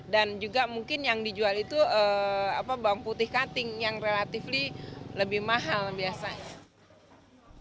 dan juga mungkin yang dijual itu bawang putih cutting yang relatively lebih mahal biasanya